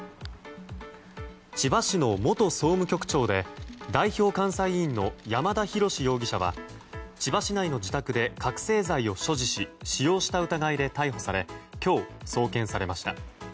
千葉市の元総務局長で代表監査委員の山田啓志容疑者は千葉市内の自宅で覚醒剤を所持し使用した疑いで逮捕され今日、送検されました。